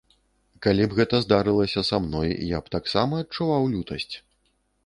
Калі б гэта здарылася са мной, я б таксама адчуваў лютасць.